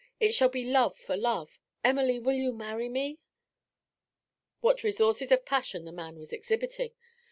It shall be love for love. Emily, you will marry me?' What resources of passion the man was exhibiting!